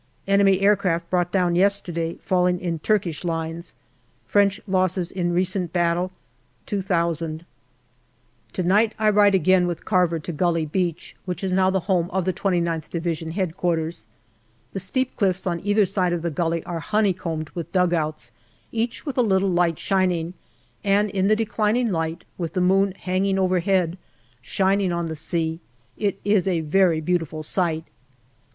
Enemy aircraft brought down yesterday, falling in Turkish lines. French losses in recent battle, 2,000. To night I ride again with Carver to Gully Beach, which is now the home of the 2Qth Division H.Q. The steep cliffs on either side of the gully are honeycombed with dugouts, each with a little light shining, and in the declining light, with the moon hanging overhead, shining on the sea, it is a very beautiful sight.